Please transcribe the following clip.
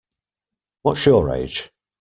What's your age?